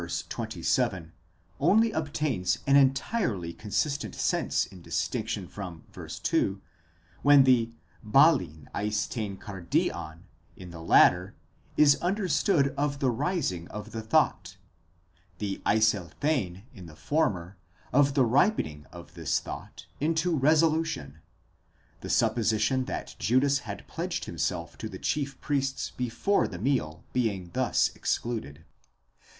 27 only obtains an entirely consistent sense in distinction from v. 2, when the βάλλειν εἰς τὴν καρδίαν in the latter, is understood of the rising of the thought, the εἰσελθεῖν in the former, of the ripening of this thought into resolution, the supposition that Judas had pledged himself to the chief priests before the meal being thus excluded.?